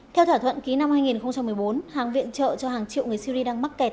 theo thỏa thuận ký năm hai nghìn một mươi bốn hàng viện trợ cho hàng triệu người syri đang mắc kẹt